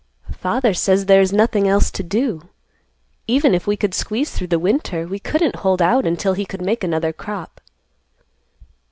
"Father says there is nothing else to do. Even if we could squeeze through the winter, we couldn't hold out until he could make another crop."